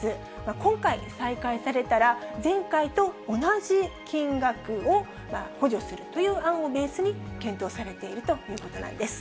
今回再開されたら、前回と同じ金額を補助するという案をベースに検討されているということなんです。